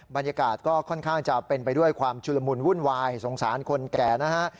บรรยากาศก็ค่อนข้างจะเป็นไปด้วยความชุลมุนวุ่นวายสงสารคนแก่นะฮะ